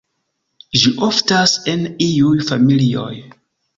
Ĝi oftas en iuj familioj.